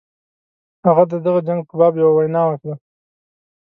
هغه د دغه جنګ په باب یوه وینا وکړه.